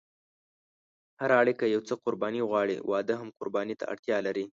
هره اړیکه یو څه قرباني غواړي، واده هم قرباني ته اړتیا لري.